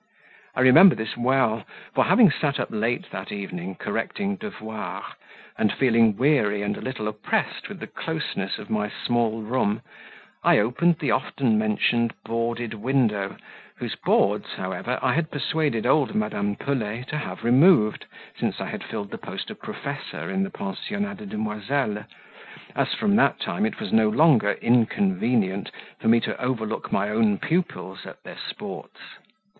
I remember this well; for, having sat up late that evening, correcting devoirs, and feeling weary and a little oppressed with the closeness of my small room, I opened the often mentioned boarded window, whose boards, however, I had persuaded old Madame Pelet to have removed since I had filled the post of professor in the pensionnat de demoiselles, as, from that time, it was no longer "inconvenient" for me to overlook my own pupils at their sports.